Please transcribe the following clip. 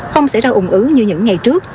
không sẽ ra ủng ứ như những ngày trước